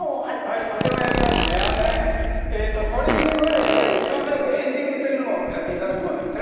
これに加えてエンディングというのをやっていただきます。